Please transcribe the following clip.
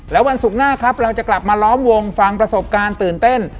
แล้ววันศุกร์หน้าครับเราจะกลับมาล้อมวงฟังประสบการณ์ตื่นเต้น